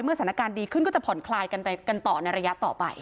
สถานการณ์ดีขึ้นก็จะผ่อนคลายกันต่อในระยะต่อไป